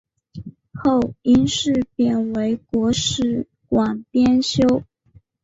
后因事贬为国史馆编修。